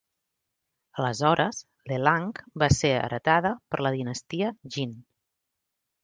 Aleshores, Lelang va ser heretada per la dinastia Jin.